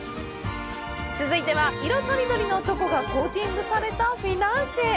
続いては、色とりどりのチョコがコーティングされたフィナンシェ。